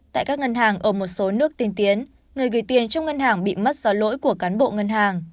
tại các ngân hàng ở một số nước tiên tiến người gửi tiền trong ngân hàng bị mất do lỗi của cán bộ ngân hàng